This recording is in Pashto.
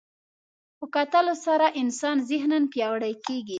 په کتلو سره انسان ذهناً پیاوړی کېږي